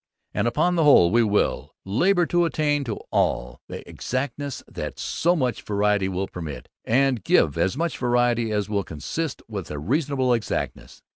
And upon the whole we will labour to attain to all the exactness that so much variety will permit, and give as much variety as will consist with a reasonable exactness.